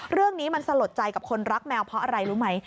เรื่องนี้มันสลดใจกับคนรักแมวเพราะอะไรรู้ไหม